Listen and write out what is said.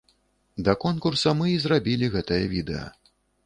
Да конкурса мы і зрабілі гэтае відэа.